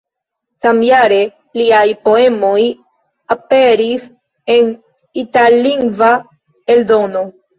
Samjare liaj poemoj aperis en itallingva eldono.